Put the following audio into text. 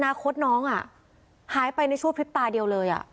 อนาคตน้องอ่ะหายไปในชั่วพฤตาเดียวเลยอะ